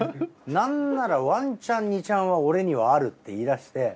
なんならワンチャンニチャンは俺にはあるって言いだして。